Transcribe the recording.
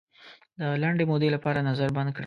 د لنډې مودې لپاره نظر بند کړ.